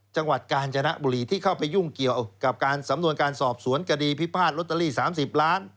จังหวัดกาญจนบุรีที่เข้าไปยุ่งเกี่ยวกับการสำนวนการสอบสวนคดีพิพาทลอตเตอรี่๓๐ล้าน